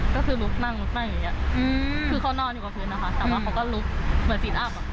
ก็คือลุกนั่งลุกนั่งอย่างเงี้ยคือเขานอนอยู่กับพื้นนะคะแต่ว่าเขาก็ลุกเหมือนสินอัพอ่ะ